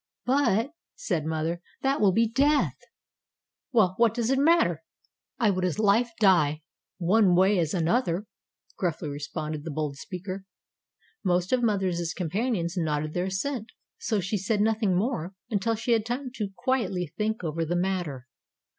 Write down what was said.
'But,' said mother, 'that will be death.' "'Well, what does it matter? I would as lief die one way as another,' gruffly responded the bold speaker. "Most of mother's companions nodded their assent, so she said nothing more until she had time to quietly think over the matter.